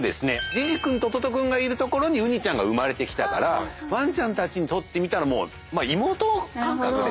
ｊｉｊｉ君とｔｏｔｏ君がいる所にウニちゃんが生まれてきたからワンちゃんたちにとってみたらまあ妹感覚で。